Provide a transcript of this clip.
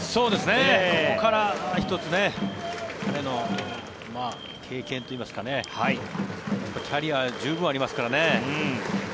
ここから１つ彼の経験といいますかキャリア、十分ありますからね。